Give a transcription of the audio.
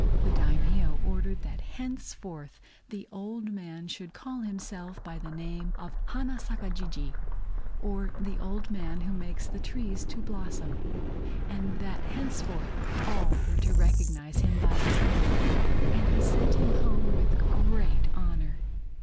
The Daimio ordered that henceforth the old man should call himself by the name of Hana Saka Jijii, or "The Old Man who makes the Trees to Blossom," and that henceforth all were to recognize him by this name, and he sent him home with great honor.